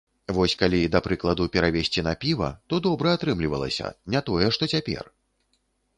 Вось калі, да прыкладу, перавесці на піва, то добра атрымлівалася, не тое што цяпер!